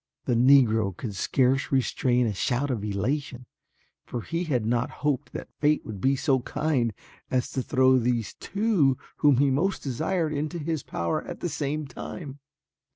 The Negro could scarce restrain a shout of elation, for he had not hoped that fate would be so kind as to throw these two whom he most desired into his power at the same time.